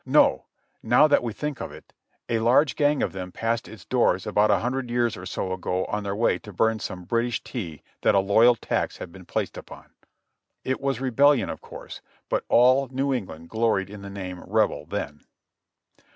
No ! now that we think of it, a large gang of them passed its doors about a hundred years or so ago on their way to burn some Brit ish tea that a loyal tax had been placed upon. It was rebellion, of course, but all New England gloried in the name Rebel then.